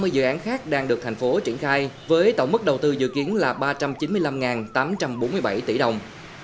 sáu mươi dự án khác đang được thành phố triển khai với tổng mức đầu tư dự kiến là ba trăm chín mươi năm tám trăm bốn mươi bảy tỷ đồng